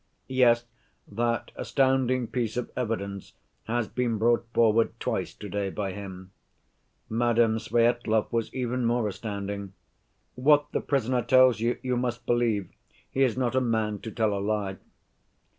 Yes, that astounding piece of evidence has been brought forward twice to‐ day by him. Madame Svyetlov was even more astounding. 'What the prisoner tells you, you must believe; he is not a man to tell a lie.